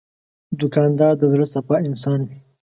دوکاندار د زړه صفا انسان وي.